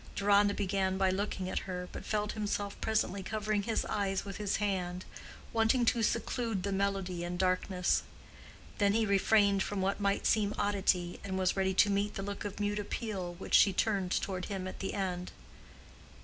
Deronda began by looking at her, but felt himself presently covering his eyes with his hand, wanting to seclude the melody in darkness; then he refrained from what might seem oddity, and was ready to meet the look of mute appeal which she turned toward him at the end.